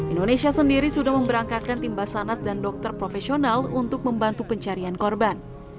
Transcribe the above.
indonesia sendiri sudah memberangkatkan tim basarnas dan dokter profesional untuk membantu pencarian korban